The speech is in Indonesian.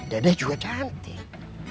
dede juga cantik